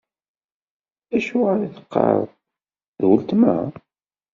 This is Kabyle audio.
Acuɣer i teqqareḍ: D weltma?